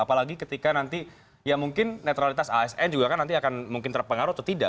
apalagi ketika nanti ya mungkin netralitas asn juga kan nanti akan mungkin terpengaruh atau tidak